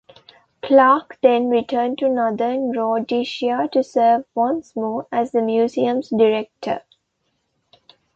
Clark then returned to Northern Rhodesia to serve once more as the Museum's director.